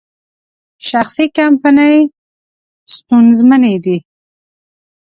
شخصي کمپنۍ ستونزمنې دي.